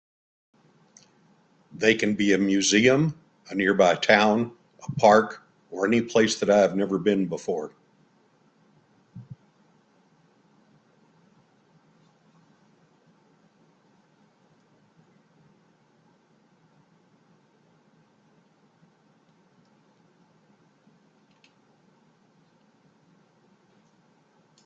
They can be a museum, a nearby town, a park, or any place that I have never been before.